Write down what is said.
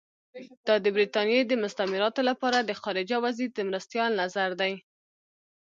دا د برټانیې د مستعمراتو لپاره د خارجه وزیر د مرستیال نظر دی.